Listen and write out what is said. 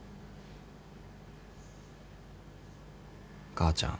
母ちゃん。